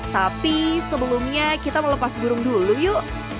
tapi sebelumnya kita melepas burung dulu yuk